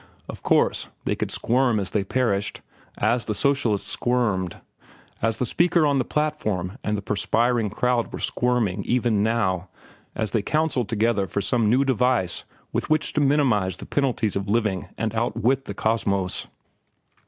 Of course, they could squirm as they perished, as the socialists squirmed, as the speaker on the platform and the perspiring crowd were squirming even now as they counselled together for some new device with which to minimize the penalties of living and outwit the Cosmos.